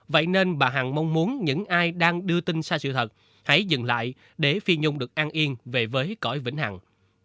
vậy nên bà hằng mong muốn những ai đang đưa tin sai sự thật hãy dừng lại để phi nhung được an yên về với cõi vĩnh hằng